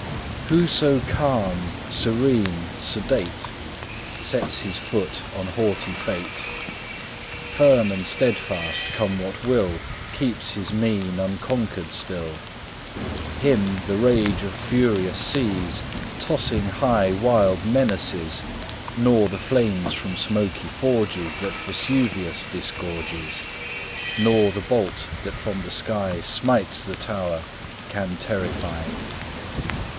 Whoso calm, serene, sedate, Sets his foot on haughty fate; Firm and steadfast, come what will, Keeps his mien unconquered still; Him the rage of furious seas, Tossing high wild menaces, Nor the flames from smoky forges That Vesuvius disgorges, Nor the bolt that from the sky Smites the tower, can terrify.